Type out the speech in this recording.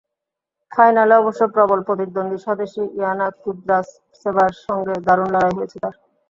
ফাইনালে অবশ্য প্রবল প্রতিদ্বন্দ্বী স্বদেশি ইয়ানা কুদরাভসেভার সঙ্গে দারুণ লড়াই হয়েছে তাঁর।